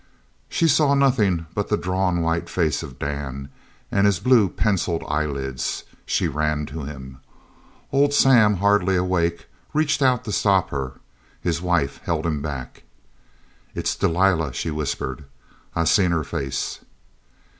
She saw nothing but the drawn white face of Dan and his blue pencilled eyelids. She ran to him. Old Sam, hardly awake, reached out to stop her. His wife held him back. "It's Delilah!" she whispered. "I seen her face!"